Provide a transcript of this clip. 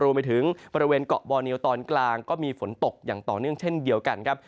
รวมไปถึงบริเวณเกาะบอเนียวตอนกลางก็มีฝนตกอย่างต่อเนื่องเช่นเดียวกันครับ